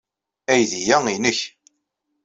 Aydi-a nnek.